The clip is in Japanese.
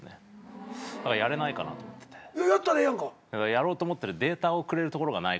やろうと思ってるデータをくれる所がないかな。